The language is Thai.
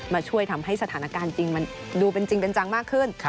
มาช่วยทำให้สถานการณ์จริงมันดูเป็นจริงเป็นจังมากขึ้น